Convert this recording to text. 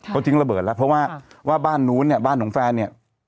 เขาทิ้งระเบิดแล้วเพราะว่าบ้านนู้นบ้านของแฟน